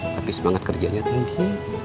tapi semangat kerjanya tinggi